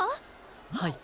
はい。